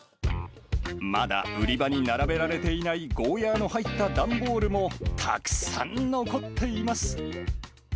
まだ売り場に並べられていないゴーヤの入った段ボールもたくさん残っています。